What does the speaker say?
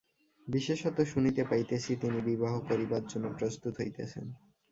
বিশেষত শুনিতে পাইতেছি, তিনি বিবাহ করিবার জন্য প্রস্তুত হইতেছেন।